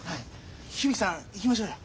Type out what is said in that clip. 響さん行きましょうよ。